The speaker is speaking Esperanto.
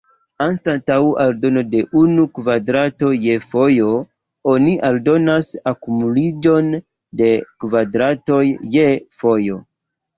Anstataŭ aldono de unu kvadrato je fojo, oni aldonas akumuliĝon de kvadratoj je fojo.